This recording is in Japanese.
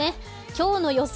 今日の予想